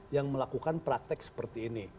yang melakukan praktek seperti ini